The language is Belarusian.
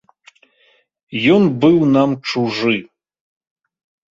Ён быў нам чужы.